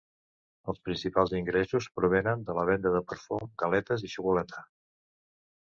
Els principals ingressos provenen de la venda de perfums, galetes i xocolata.